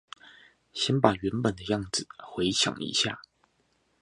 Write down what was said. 先把原本的樣子回想一下